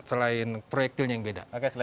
sudah dico cold lihat ya teman teman